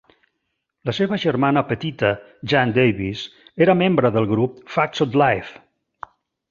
La seva germana petita, Jean Davis, era membre del grup Facts of Life.